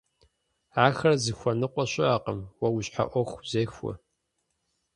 Ахэр зыхуэныкъуэ щыӀэкъым, уэ уи щхьэ Ӏуэху зехуэ.